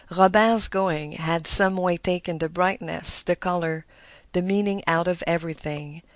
Robert's going had some way taken the brightness, the color, the meaning out of everything.